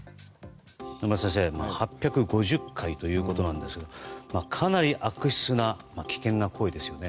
野村先生８５０回ということなんですがかなり悪質な危険な行為ですよね。